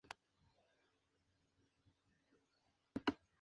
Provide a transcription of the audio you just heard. A pesar de su efectividad, resulta incómodo para la mujer.